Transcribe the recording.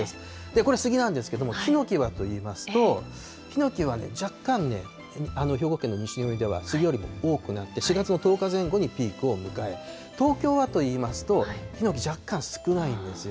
これスギなんですけれども、ヒノキはといいますと、ヒノキは若干ね、兵庫県の西宮ではスギよりも多くなって、４月の１０日前後にピークを迎え、東京はといいますと、若干少ないんですよ。